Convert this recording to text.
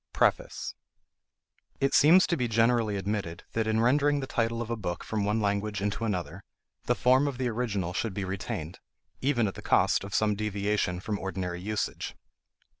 PREFACE. It seems to be generally admitted that in rendering the title of a book from one language into another, the form of the original should be retained, even at the cost of some deviation from ordinary usage.